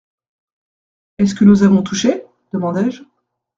«Est-ce que nous avons touché ? demandai-je.